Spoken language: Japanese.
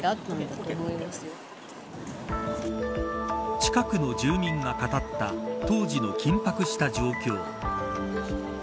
近くの住民が語った当時の緊迫した状況。